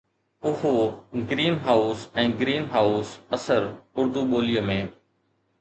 اهو green house ۽ green house اثر اردو ٻوليءَ ۾